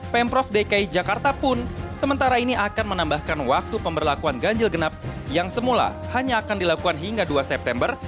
pemprov dki jakarta pun sementara ini akan menambahkan waktu pemberlakuan ganjil genap yang semula hanya akan dilakukan hingga dua september